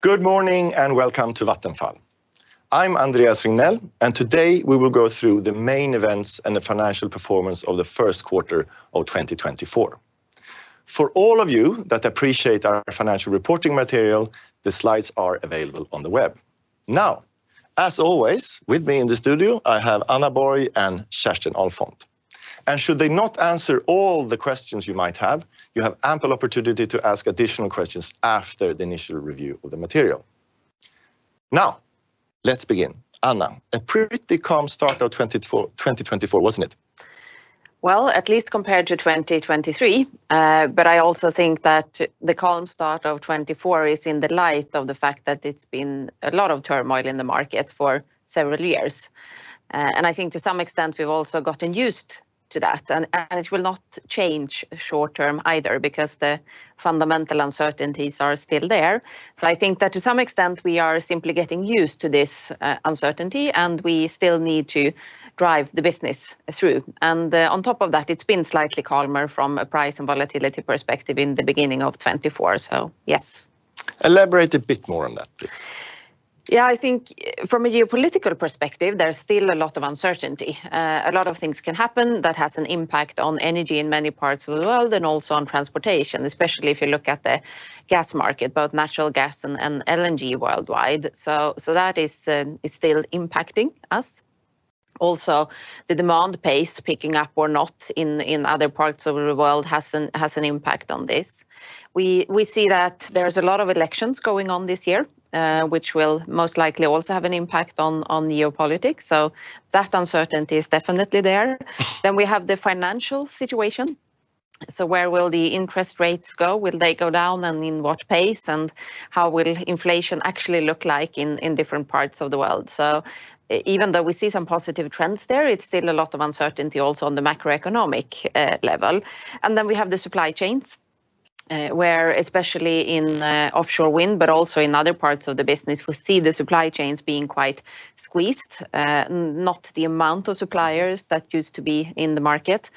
Good morning and welcome to Vattenfall. I'm Andreas Regnell, and today we will go through the main events and the financial performance of the first quarter of 2024. For all of you that appreciate our financial reporting material, the slides are available on the web. Now, as always, with me in the studio I have Anna Borg and Kerstin Ahlfont. And should they not answer all the questions you might have, you have ample opportunity to ask additional questions after the initial review of the material. Now, let's begin. Anna, a pretty calm start of 2024, wasn't it? Well, at least compared to 2023. But I also think that the calm start of 2024 is in the light of the fact that it's been a lot of turmoil in the markets for several years. And I think to some extent we've also gotten used to that. And it will not change short term either, because the fundamental uncertainties are still there. So I think that to some extent we are simply getting used to this uncertainty, and we still need to drive the business through. And on top of that, it's been slightly calmer from a price and volatility perspective in the beginning of 2024, so yes. Elaborate a bit more on that, please. Yeah, I think from a geopolitical perspective there's still a lot of uncertainty. A lot of things can happen that has an impact on energy in many parts of the world and also on transportation, especially if you look at the gas market, both natural gas and LNG worldwide. So that is still impacting us. Also, the demand pace picking up or not in other parts of the world has an impact on this. We see that there's a lot of elections going on this year, which will most likely also have an impact on geopolitics, so that uncertainty is definitely there. Then we have the financial situation. So where will the interest rates go? Will they go down and in what pace? And how will inflation actually look like in different parts of the world? Even though we see some positive trends there, it's still a lot of uncertainty also on the macroeconomic level. Then we have the supply chains, where especially in offshore wind but also in other parts of the business we see the supply chains being quite squeezed, not the amount of suppliers that used to be in the market.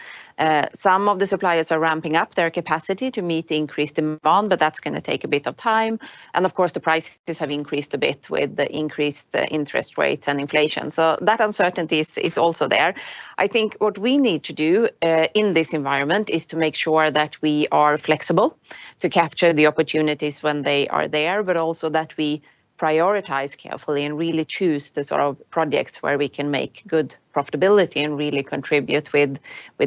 Some of the suppliers are ramping up their capacity to meet the increased demand, but that's going to take a bit of time. Of course the prices have increased a bit with the increased interest rates and inflation. That uncertainty is also there. I think what we need to do in this environment is to make sure that we are flexible to capture the opportunities when they are there, but also that we prioritize carefully and really choose the sort of projects where we can make good profitability and really contribute with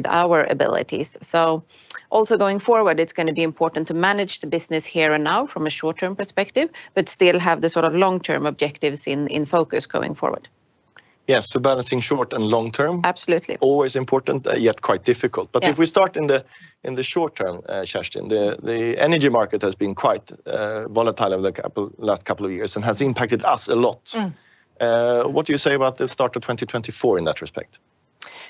our abilities. So also going forward, it's going to be important to manage the business here and now from a short term perspective, but still have the sort of long term objectives in focus going forward. Yes, so balancing short and long term. Absolutely. Always important, yet quite difficult. But if we start in the short term, Kerstin, the energy market has been quite volatile over the last couple of years and has impacted us a lot. What do you say about the start of 2024 in that respect?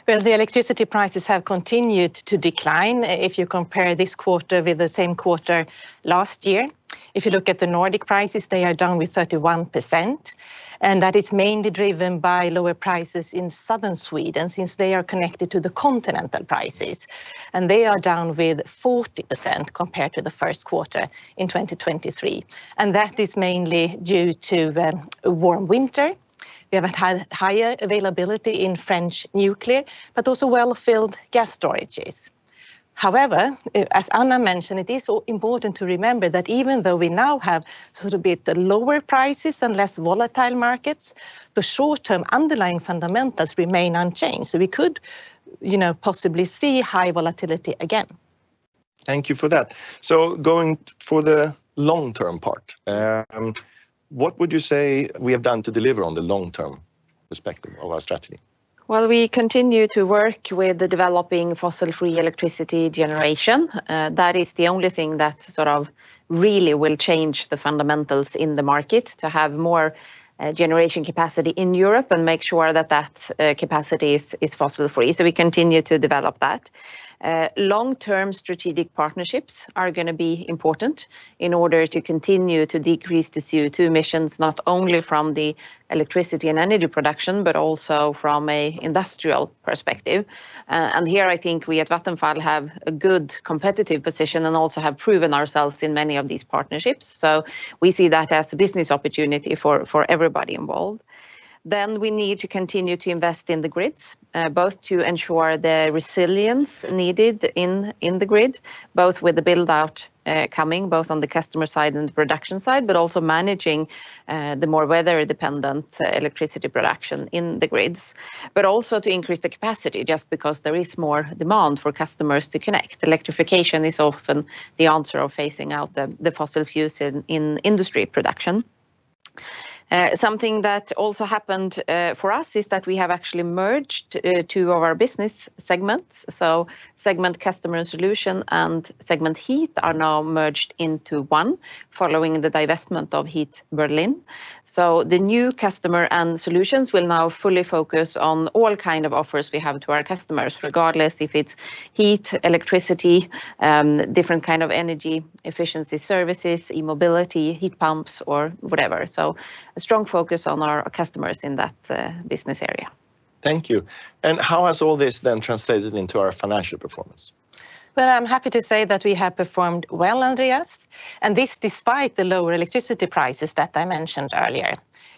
Well, the electricity prices have continued to decline if you compare this quarter with the same quarter last year. If you look at the Nordic prices, they are down with 31%. That is mainly driven by lower prices in southern Sweden since they are connected to the continental prices. They are down with 40% compared to the first quarter in 2023. That is mainly due to warm winter. We have had higher availability in French nuclear, but also well-filled gas storages. However, as Anna mentioned, it is important to remember that even though we now have sort of bit lower prices and less volatile markets, the short term underlying fundamentals remain unchanged. We could possibly see high volatility again. Thank you for that. So going for the long term part, what would you say we have done to deliver on the long term perspective of our strategy? Well, we continue to work with developing fossil-free electricity generation. That is the only thing that sort of really will change the fundamentals in the markets, to have more generation capacity in Europe and make sure that that capacity is fossil-free. We continue to develop that. Long-term strategic partnerships are going to be important in order to continue to decrease the CO2 emissions not only from the electricity and energy production, but also from an industrial perspective. Here I think we at Vattenfall have a good competitive position and also have proven ourselves in many of these partnerships. We see that as a business opportunity for everybody involved. Then we need to continue to invest in the grids, both to ensure the resilience needed in the grid, both with the build out coming, both on the customer side and the production side, but also managing the more weather dependent electricity production in the grids. But also to increase the capacity, just because there is more demand for customers to connect. Electrification is often the answer of phasing out the fossil fuels in industry production. Something that also happened for us is that we have actually merged two of our business segments. So segment Customers & Solutions and segment Heat are now merged into one, following the divestment of Heat Berlin. So the new Customers & Solutions will now fully focus on all kind of offers we have to our customers, regardless if it's heat, electricity, different kind of energy efficiency services, e-mobility, heat pumps, or whatever. A strong focus on our customers in that business area. Thank you. How has all this then translated into our financial performance? Well, I'm happy to say that we have performed well, Andreas. And this despite the lower electricity prices that I mentioned earlier.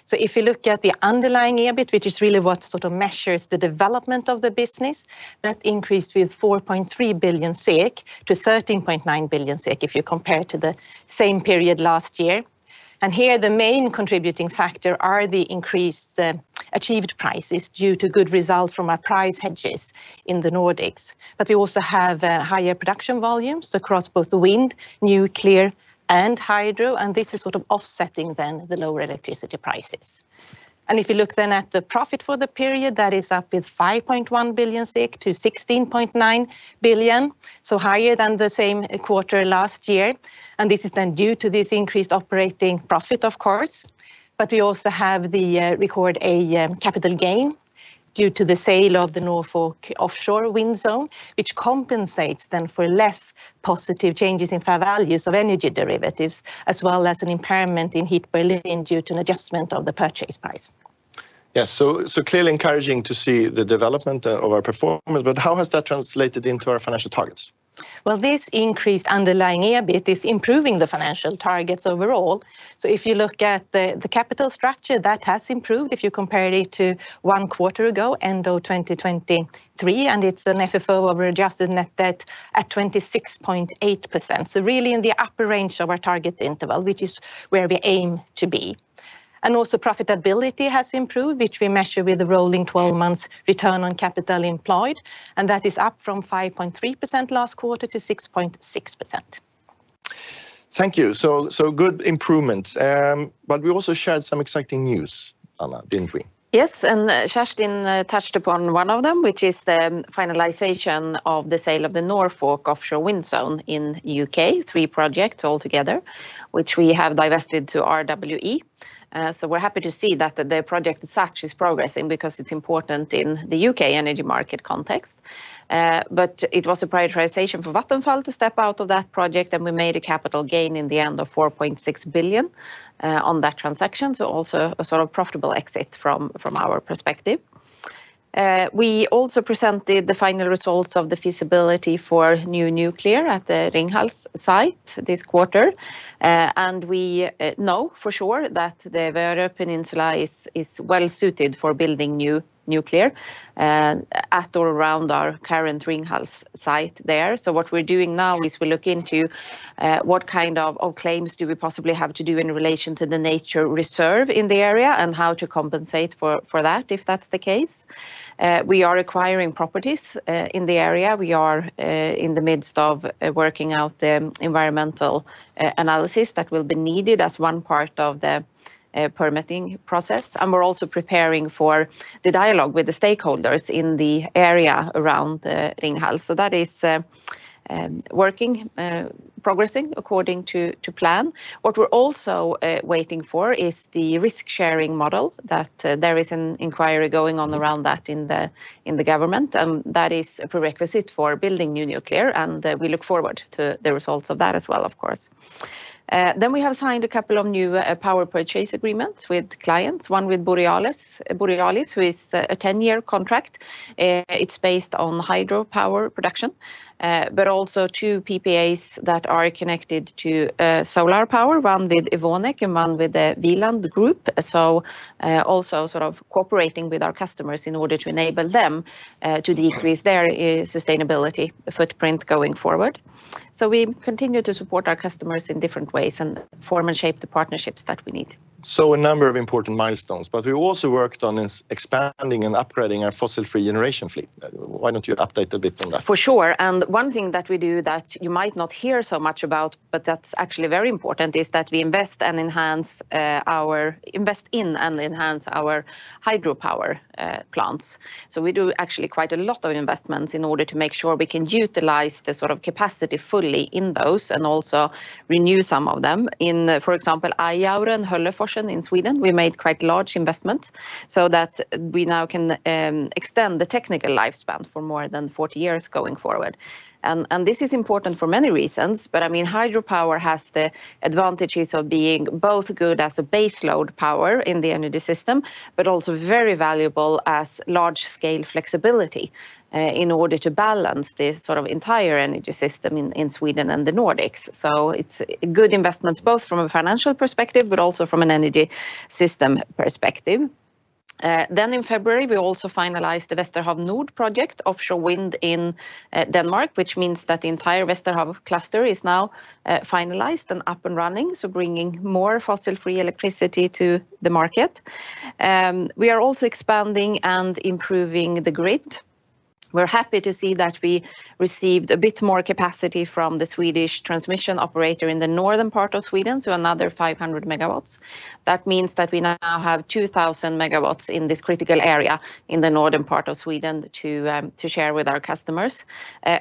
So if you look at the underlying EBIT, which is really what sort of measures the development of the business, that increased with 4.3 billion SEK to 13.9 billion SEK if you compare to the same period last year. And here the main contributing factor are the increased achieved prices due to good results from our price hedges in the Nordics. But we also have higher production volumes across both wind, nuclear, and hydro, and this is sort of offsetting then the lower electricity prices. And if you look then at the profit for the period, that is up with 5.1 billion to 16.9 billion, so higher than the same quarter last year. And this is then due to this increased operating profit, of course. We also recorded a capital gain due to the sale of the Norfolk offshore wind zone, which compensates then for less positive changes in fair values of energy derivatives, as well as an impairment in Heat Berlin due to an adjustment of the purchase price. Yes, so clearly encouraging to see the development of our performance. But how has that translated into our financial targets? Well, this increased underlying EBIT is improving the financial targets overall. So if you look at the capital structure, that has improved if you compare it to one quarter ago, end of 2023, and it's an FFO of adjusted net debt at 26.8%. So really in the upper range of our target interval, which is where we aim to be. And also profitability has improved, which we measure with the rolling 12 months return on capital employed. And that is up from 5.3% last quarter to 6.6%. Thank you. So, good improvements. But we also shared some exciting news, Anna, didn't we? Yes, and Kerstin touched upon one of them, which is the finalization of the sale of the Norfolk offshore wind zone in the U.K., three projects altogether, which we have divested to RWE. So we're happy to see that the project as such is progressing because it's important in the U.K. energy market context. But it was a prioritization for Vattenfall to step out of that project, and we made a capital gain in the end of 4.6 billion on that transaction, so also a sort of profitable exit from our perspective. We also presented the final results of the feasibility for new nuclear at the Ringhals site this quarter. We know for sure that the Värö Peninsula is well suited for building new nuclear at or around our current Ringhals site there. So what we're doing now is we look into what kind of claims do we possibly have to do in relation to the nature reserve in the area and how to compensate for that, if that's the case. We are acquiring properties in the area. We are in the midst of working out the environmental analysis that will be needed as one part of the permitting process. And we're also preparing for the dialogue with the stakeholders in the area around Ringhals. So that is progressing according to plan. What we're also waiting for is the risk sharing model. There is an inquiry going on around that in the government, and that is a prerequisite for building new nuclear. And we look forward to the results of that as well, of course. Then we have signed a couple of new power purchase agreements with clients, one with Borealis, who is a 10-year contract. It's based on hydropower production, but also two PPAs that are connected to solar power, one with Evonik and one with the Wieland Group, so also sort of cooperating with our customers in order to enable them to decrease their sustainability footprint going forward. So we continue to support our customers in different ways and form and shape the partnerships that we need. A number of important milestones. We also worked on expanding and upgrading our fossil free generation fleet. Why don't you update a bit on that? For sure. And one thing that we do that you might not hear so much about, but that's actually very important, is that we invest in and enhance our hydropower plants. So we do actually quite a lot of investments in order to make sure we can utilize the sort of capacity fully in those and also renew some of them. For example, Juktan Hölleforsen in Sweden, we made quite large investments so that we now can extend the technical lifespan for more than 40 years going forward. And this is important for many reasons. But I mean, hydropower has the advantages of being both good as a baseload power in the energy system, but also very valuable as large scale flexibility in order to balance the sort of entire energy system in Sweden and the Nordics. So it's good investments both from a financial perspective, but also from an energy system perspective. Then in February, we also finalized the Vesterhav Nord project, offshore wind in Denmark, which means that the entire Vesterhav cluster is now finalized and up and running, so bringing more fossil free electricity to the market. We are also expanding and improving the grid. We're happy to see that we received a bit more capacity from the Swedish transmission operator in the northern part of Sweden, so another 500 MW. That means that we now have 2,000 MW in this critical area in the northern part of Sweden to share with our customers.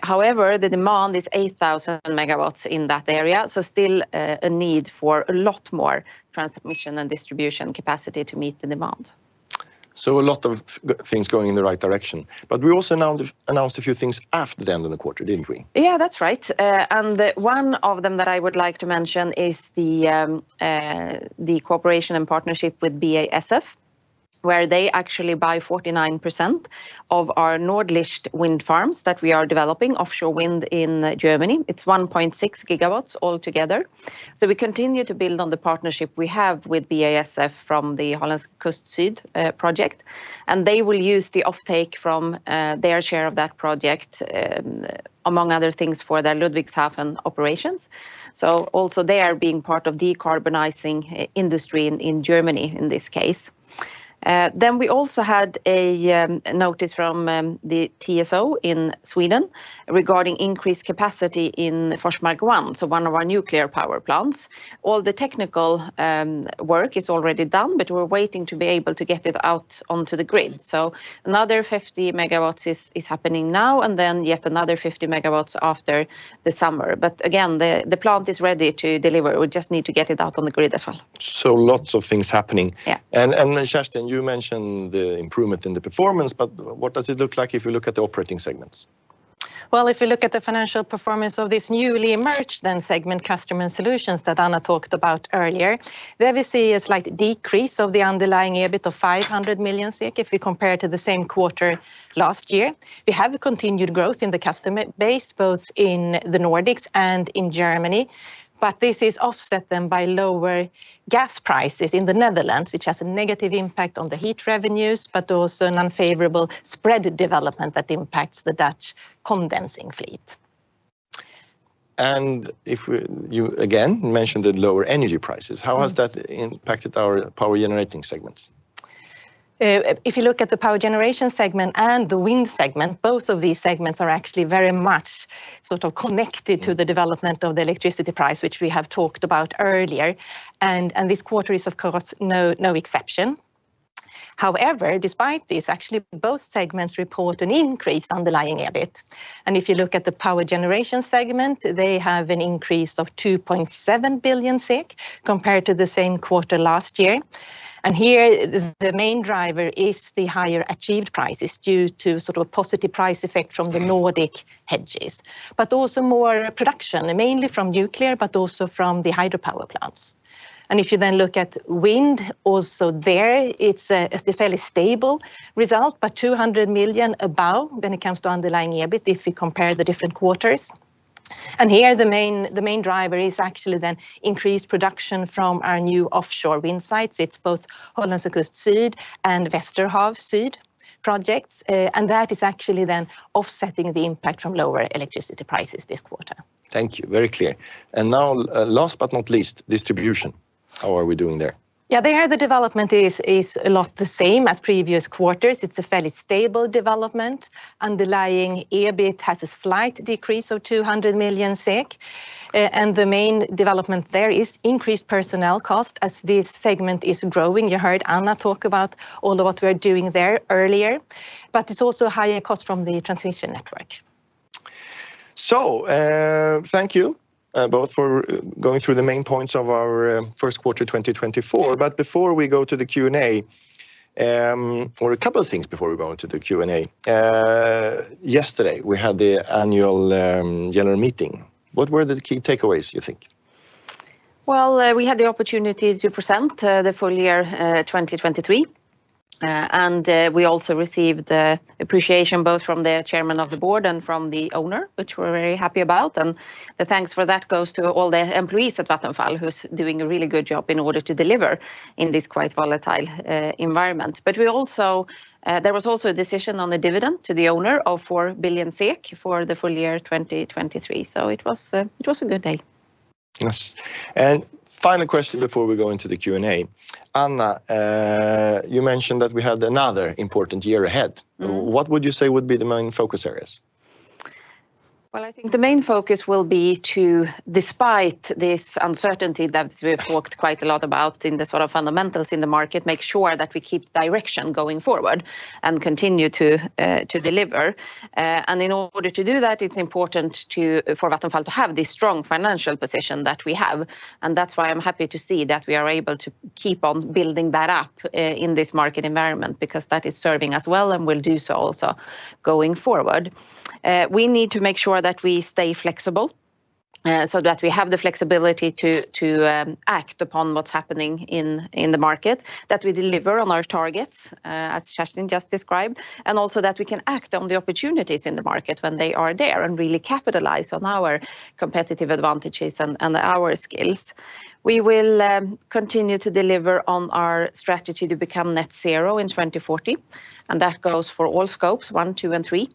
However, the demand is 8,000 MW in that area, so still a need for a lot more transmission and distribution capacity to meet the demand. A lot of things going in the right direction. We also announced a few things after the end of the quarter, didn't we? Yeah, that's right. And one of them that I would like to mention is the cooperation and partnership with BASF, where they actually buy 49% of our Nordlicht wind farms that we are developing, offshore wind in Germany. It's 1.6 GW altogether. So we continue to build on the partnership we have with BASF from the Hollandse Kust Zuid project. And they will use the offtake from their share of that project, among other things, for their Ludwigshafen operations. So also they are being part of decarbonizing industry in Germany in this case. Then we also had a notice from the TSO in Sweden regarding increased capacity in Forsmark 1, so one of our nuclear power plants. All the technical work is already done, but we're waiting to be able to get it out onto the grid. So another 50 MW is happening now, and then yet another 50 MW after the summer. But again, the plant is ready to deliver. We just need to get it out on the grid as well. Lots of things happening. Kerstin, you mentioned the improvement in the performance, but what does it look like if we look at the operating segments? Well, if we look at the financial performance of this newly emerged then segment Customers & Solutions that Anna talked about earlier, there we see a slight decrease of the underlying EBIT of 500 million SEK if we compare to the same quarter last year. We have continued growth in the customer base, both in the Nordics and in Germany. But this is offset then by lower gas prices in the Netherlands, which has a negative impact on the heat revenues, but also an unfavorable spread development that impacts the Dutch condensing fleet. If you again mentioned the lower energy prices, how has that impacted our power generating segments? If you look at the power generation segment and the wind segment, both of these segments are actually very much sort of connected to the development of the electricity price, which we have talked about earlier. This quarter is of course no exception. However, despite this, actually both segments report an increased underlying EBIT. If you look at the power generation segment, they have an increase of 2.7 billion compared to the same quarter last year. And here the main driver is the higher achieved prices due to sort of a positive price effect from the Nordic hedges. But also more production, mainly from nuclear, but also from the hydropower plants. If you then look at wind, also there, it's a fairly stable result, but 200 million above when it comes to underlying EBIT if you compare the different quarters. Here the main driver is actually then increased production from our new offshore wind sites. It's both Hollandse Kust Zuid and Vesterhav Syd projects. That is actually then offsetting the impact from lower electricity prices this quarter. Thank you. Very clear. Now last but not least, distribution. How are we doing there? Yeah, there the development is a lot the same as previous quarters. It's a fairly stable development. Underlying EBIT has a slight decrease of 200 million SEK. And the main development there is increased personnel cost as this segment is growing. You heard Anna talk about all of what we are doing there earlier. But it's also higher cost from the transmission network. Thank you, both for going through the main points of our first quarter 2024. Before we go to the Q&A, or a couple of things before we go into the Q&A. Yesterday we had the annual general meeting. What were the key takeaways, you think? Well, we had the opportunity to present the full year 2023. We also received appreciation both from the chairman of the board and from the owner, which we're very happy about. The thanks for that goes to all the employees at Vattenfall, who's doing a really good job in order to deliver in this quite volatile environment. But there was also a decision on the dividend to the owner of 4 billion SEK for the full year 2023. It was a good day. Yes. Final question before we go into the Q&A. Anna, you mentioned that we had another important year ahead. What would you say would be the main focus areas? Well, I think the main focus will be to, despite this uncertainty that we've talked quite a lot about in the sort of fundamentals in the market, make sure that we keep direction going forward and continue to deliver. And in order to do that, it's important for Vattenfall to have this strong financial position that we have. And that's why I'm happy to see that we are able to keep on building that up in this market environment, because that is serving us well and will do so also going forward. We need to make sure that we stay flexible so that we have the flexibility to act upon what's happening in the market, that we deliver on our targets, as Kerstin just described, and also that we can act on the opportunities in the market when they are there and really capitalize on our competitive advantages and our skills. We will continue to deliver on our strategy to become net zero in 2040. And that goes for all scopes, one, two, and three.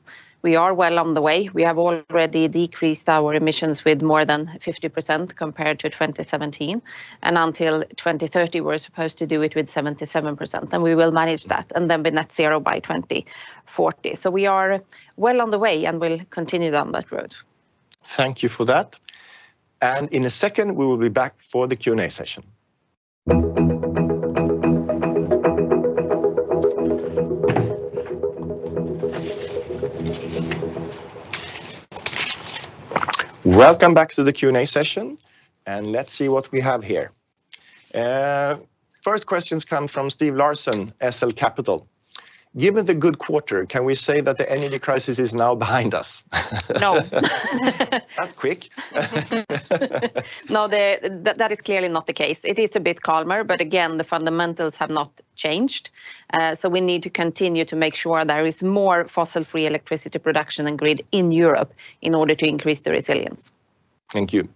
We are well on the way. We have already decreased our emissions with more than 50% compared to 2017. And until 2030, we're supposed to do it with 77%. And we will manage that and then be net zero by 2040. So we are well on the way and will continue down that road. Thank you for that. In a second, we will be back for the Q&A session. Welcome back to the Q&A session. Let's see what we have here. First questions come from Steve Larsen, SL Capital. Given the good quarter, can we say that the energy crisis is now behind us? No. That's quick. No, that is clearly not the case. It is a bit calmer, but again, the fundamentals have not changed. So we need to continue to make sure there is more fossil free electricity production and grid in Europe in order to increase the resilience. Thank you.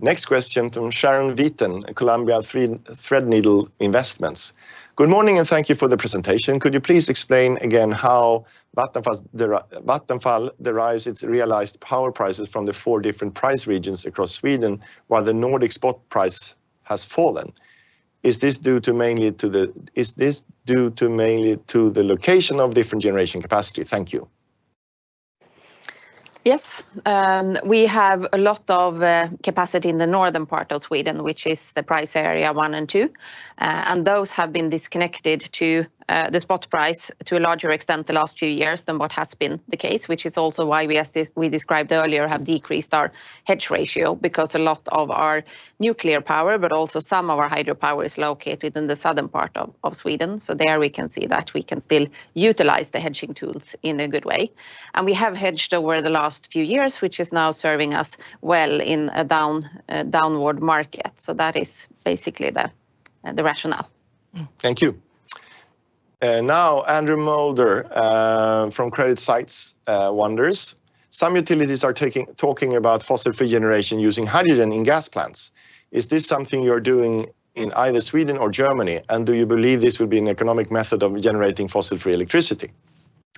Next question from Sharon Wieten, Columbia Threadneedle Investments. Good morning and thank you for the presentation. Could you please explain again how Vattenfall derives its realized power prices from the four different price regions across Sweden while the Nordic spot price has fallen? Is this due to mainly to the location of different generation capacity? Thank you. Yes. We have a lot of capacity in the northern part of Sweden, which is the price area one and two. Those have been disconnected to the spot price to a larger extent the last few years than what has been the case, which is also why we described earlier have decreased our hedge ratio, because a lot of our nuclear power, but also some of our hydropower is located in the southern part of Sweden. There we can see that we can still utilize the hedging tools in a good way. We have hedged over the last few years, which is now serving us well in a downward market. That is basically the rationale. Thank you. Now, Andrew Moulder from CreditSights wonders. Some utilities are talking about fossil free generation using hydrogen in gas plants. Is this something you're doing in either Sweden or Germany? And do you believe this would be an economic method of generating fossil free electricity?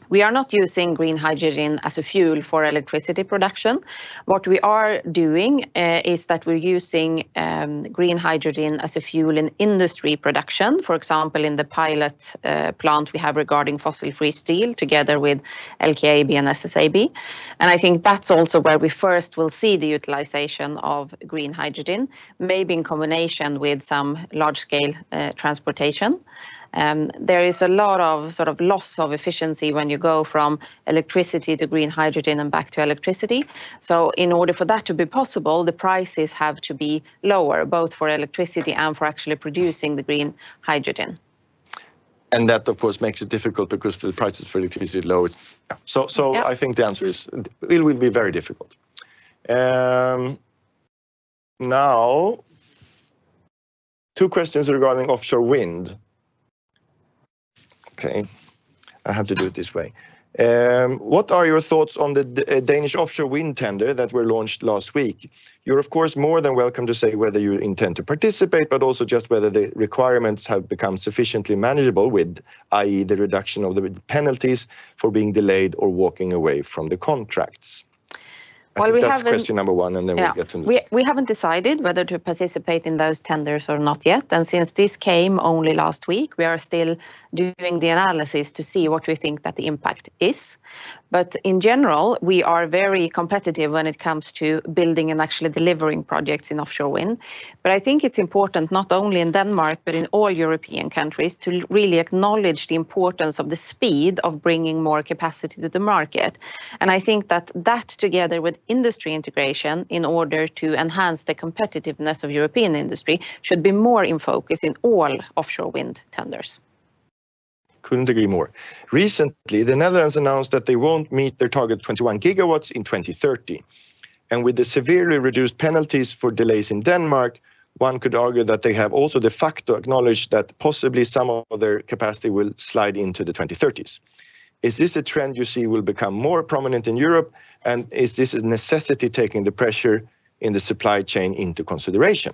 We are not using green hydrogen as a fuel for electricity production. What we are doing is that we're using green hydrogen as a fuel in industry production, for example, in the pilot plant we have regarding fossil free steel together with LKAB and SSAB. I think that's also where we first will see the utilization of green hydrogen, maybe in combination with some large scale transportation. There is a lot of sort of loss of efficiency when you go from electricity to green hydrogen and back to electricity. In order for that to be possible, the prices have to be lower, both for electricity and for actually producing the green hydrogen. And that, of course, makes it difficult because the prices for electricity are low. So I think the answer is it will be very difficult. Now, two questions regarding offshore wind. Okay. I have to do it this way. What are your thoughts on the Danish offshore wind tender that were launched last week? You're, of course, more than welcome to say whether you intend to participate, but also just whether the requirements have become sufficiently manageable with, i.e., the reduction of the penalties for being delayed or walking away from the contracts. That's question number one, and then we'll get to the next. Yeah. We haven't decided whether to participate in those tenders or not yet. And since this came only last week, we are still doing the analysis to see what we think that the impact is. But in general, we are very competitive when it comes to building and actually delivering projects in offshore wind. But I think it's important not only in Denmark, but in all European countries to really acknowledge the importance of the speed of bringing more capacity to the market. And I think that that, together with industry integration in order to enhance the competitiveness of European industry, should be more in focus in all offshore wind tenders. Couldn't agree more. Recently, the Netherlands announced that they won't meet their target 21 GW in 2030. And with the severely reduced penalties for delays in Denmark, one could argue that they have also de facto acknowledged that possibly some of their capacity will slide into the 2030s. Is this a trend you see will become more prominent in Europe? And is this a necessity taking the pressure in the supply chain into consideration?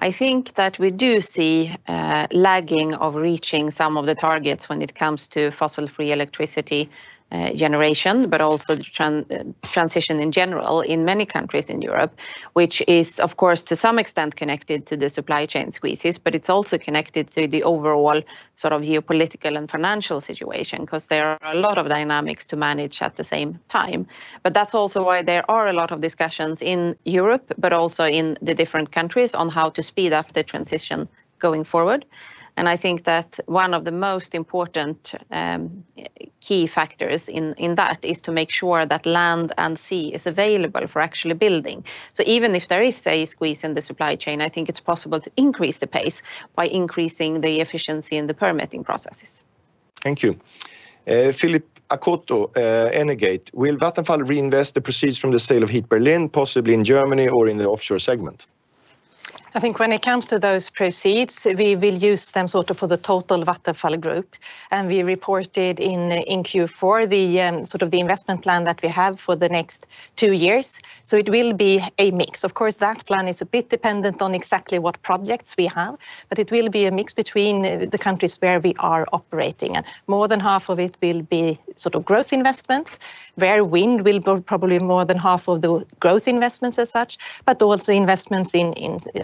I think that we do see lagging of reaching some of the targets when it comes to fossil free electricity generation, but also transition in general in many countries in Europe, which is, of course, to some extent connected to the supply chain squeezes. But it's also connected to the overall sort of geopolitical and financial situation, because there are a lot of dynamics to manage at the same time. But that's also why there are a lot of discussions in Europe, but also in the different countries on how to speed up the transition going forward. And I think that one of the most important key factors in that is to make sure that land and sea is available for actually building. Even if there is, say, a squeeze in the supply chain, I think it's possible to increase the pace by increasing the efficiency in the permitting processes. Thank you. Filippo Acotto, Energate. Will Vattenfall reinvest the proceeds from the sale of Heat Berlin, possibly in Germany or in the offshore segment? I think when it comes to those proceeds, we will use them sort of for the total Vattenfall group. We reported in Q4 the sort of the investment plan that we have for the next 2 years. It will be a mix. Of course, that plan is a bit dependent on exactly what projects we have. It will be a mix between the countries where we are operating. More than half of it will be sort of growth investments, where wind will probably be more than half of the growth investments as such, but also investments in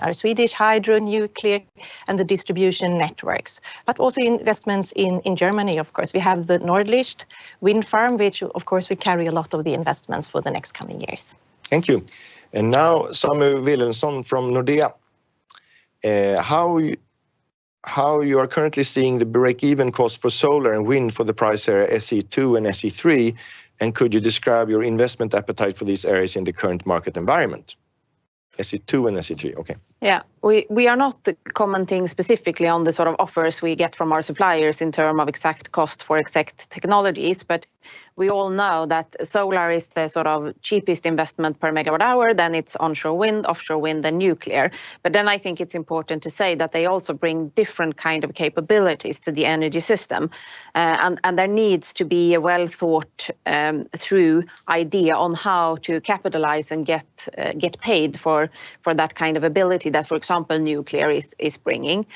our Swedish hydro, nuclear, and the distribution networks. Also investments in Germany, of course. We have the Nordlicht wind farm, which, of course, we carry a lot of the investments for the next coming years. Thank you. And now, Samuel Vilhelmsen from Nordea. How you are currently seeing the break-even cost for solar and wind for the price area SE2 and SE3, and could you describe your investment appetite for these areas in the current market environment? SE2 and SE3, okay. Yeah. We are not commenting specifically on the sort of offers we get from our suppliers in terms of exact cost for exact technologies. But we all know that solar is the sort of cheapest investment per megawatt hour. Then it's onshore wind, offshore wind, and nuclear. But then I think it's important to say that they also bring different kinds of capabilities to the energy system. And there needs to be a well-thought-through idea on how to capitalize and get paid for that kind of ability that, for example, nuclear is bringing.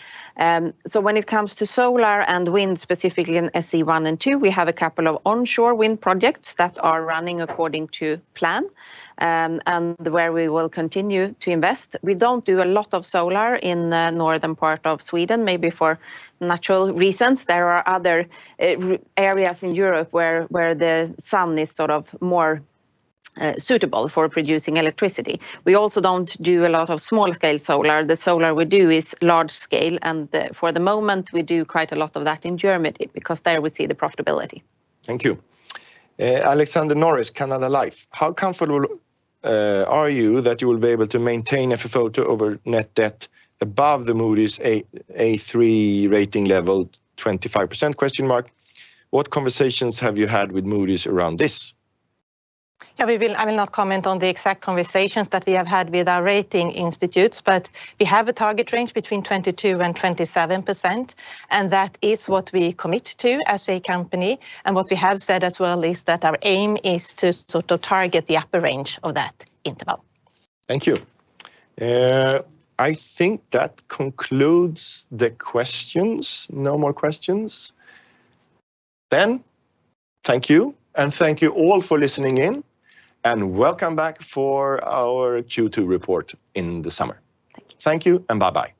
So when it comes to solar and wind, specifically in SE1 and SE2, we have a couple of onshore wind projects that are running according to plan and where we will continue to invest. We don't do a lot of solar in the northern part of Sweden, maybe for natural reasons. There are other areas in Europe where the sun is sort of more suitable for producing electricity. We also don't do a lot of small scale solar. The solar we do is large scale. For the moment, we do quite a lot of that in Germany because there we see the profitability. Thank you. Alexander Norris, Canada Life. How comfortable are you that you will be able to maintain FFO/Adjusted Net Debt above the Moody's A3 rating level 25%? What conversations have you had with Moody's around this? Yeah, I will not comment on the exact conversations that we have had with our rating institutes. But we have a target range between 22%-27%. And that is what we commit to as a company. And what we have said as well is that our aim is to sort of target the upper range of that interval. Thank you. I think that concludes the questions. No more questions. Ben, thank you. Thank you all for listening in. Welcome back for our Q2 report in the summer. Thank you and bye-bye.